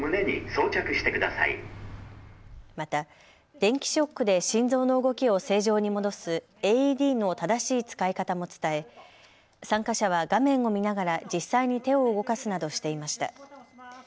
また電気ショックで心臓の動きを正常に戻すＡＥＤの正しい使い方も伝え、参加者は画面を見ながら実際に手を動かすなどしていました。